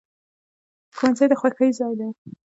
ښوونځی د خوښۍ ځای دی